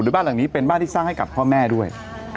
บ้านหลังนี้เป็นบ้านที่สร้างให้กับพ่อแม่ด้วย